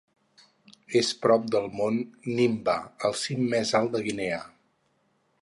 És prop del mont Nimba, el cim més alt de Guinea.